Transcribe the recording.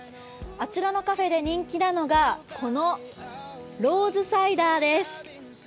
あちらのカフェで人気なのが、このローズサイダーです。